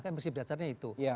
kan bersih berdasarnya itu